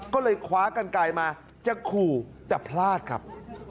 ก็เลยคว้ากันไกลมาจะขู่แต่พลาดครับ